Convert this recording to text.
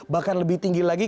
bahkan lebih tinggi lagi